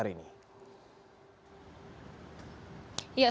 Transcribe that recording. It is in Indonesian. selamat sore hari ini